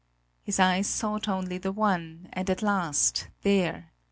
His eyes sought only the one, and at last there!